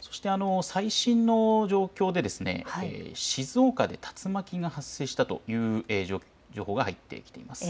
そして最新の状況で静岡で竜巻が発生したという情報が入ってきています。